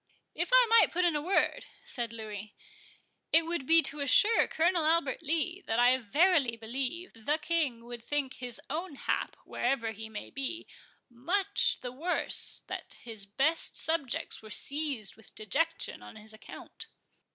"If I might put in a word," said Louis, "it would be to assure Colonel Albert Lee that I verily believe the King would think his own hap, wherever he may be, much the worse that his best subjects were seized with dejection on his account."